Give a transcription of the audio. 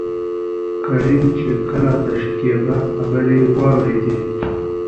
کريم چې کله دشکيبا خبرې واورېدې.